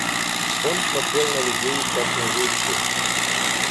Он смотрел на людей, как на вещи.